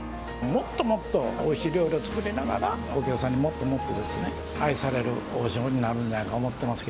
もっともっとおいしい料理を作りながら、お客さんにもっともっと愛される王将になるんだと思ってます